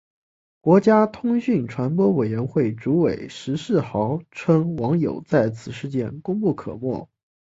国家通讯传播委员会主委石世豪称网友在此事件功不可没。